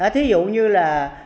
thí dụ như là